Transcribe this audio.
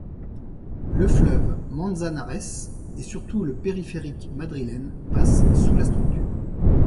Le fleuve Manzanares et surtout le périphérique madrilène passent sous la structure.